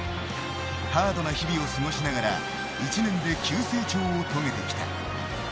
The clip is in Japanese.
ハードな日々を過ごしながら１年で急成長を遂げてきた。